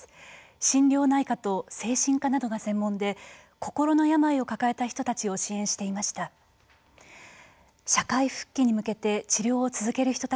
心療内科と精神科などが専門で心の病を抱えた人たちを支援していました。